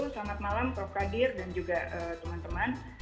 selamat malam prof kadir dan juga teman teman